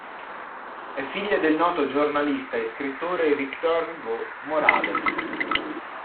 È figlia del noto giornalista e scrittore Víctor Hugo Morales.